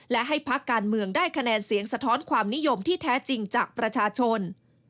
และให้พักการเมืองได้คะแนนเสียงสะท้อนความนิยมที่แท้จริงจากประชาชน